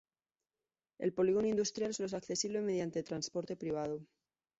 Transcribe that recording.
El polígono industrial solo es accesible mediante transporte privado.